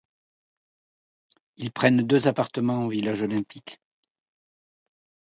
Ils prennent deux appartements au village olympique.